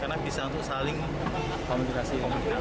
karena bisa untuk saling komunikasi